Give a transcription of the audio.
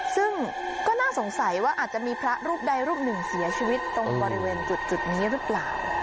ซึ่งก็น่าสงสัยว่าอาจจะมีพระรูปใดรูปหนึ่งเสียชีวิตตรงบริเวณจุดนี้หรือเปล่า